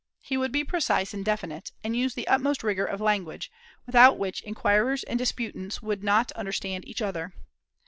He would be precise and definite, and use the utmost rigor of language, without which inquirers and disputants would not understand each other.